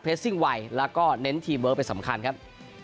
เพลสซิ่งไวแล้วก็เน้นทีมเบิ้ลเป็นสำคัญครับ